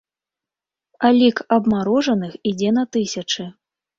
А лік абмарожаных ідзе на тысячы.